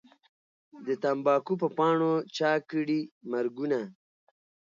د تمباکو په پاڼو چا کړي مرګونه